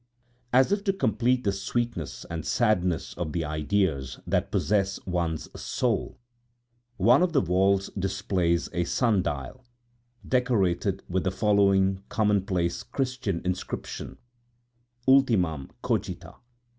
As if to complete the sweetness and sadness of the ideas that possess one's soul, one of the walls displays a sun dial decorated with the following commonplace Christian inscription: "Ultimam cogita!"